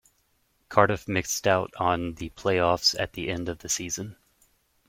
Cardiff missed out on the play-offs at the end of the season.